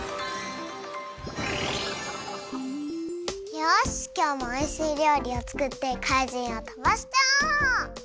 よしきょうもおいしいりょうりをつくってかいじんをとばしちゃおう！